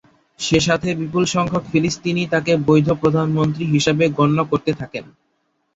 সেসাথে বিপুল সংখ্যক ফিলিস্তিনি তাকে বৈধ প্রধানমন্ত্রী হিসেবে গণ্য করতে থাকে।